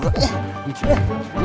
gak lepas buka